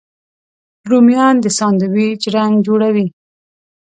رومیان د ساندویچ رنګ جوړوي